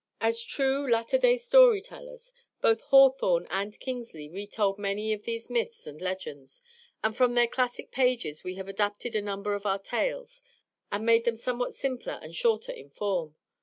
As true latter day story tellers, both Hawthorne and Kingsley retold many of these myths and legends, and from their classic pages we have adapted a number of our tales, and made them somewhat simpler and shorter in form.